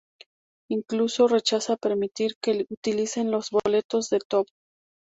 Incluso rechaza permitir que utilicen los boletos de Toph.